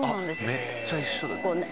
めっちゃ一緒だ。